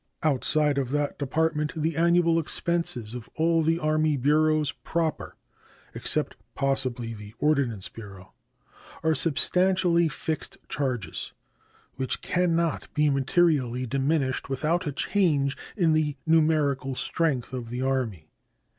Outside of that Department the annual expenses of all the Army bureaus proper (except possibly the Ordnance Bureau) are substantially fixed charges, which can not be materially diminished without a change in the numerical strength of the Army.